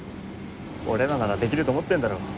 俺らならできると思ってんだろ。